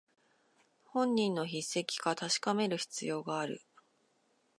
本人の筆跡か確かめる必要がある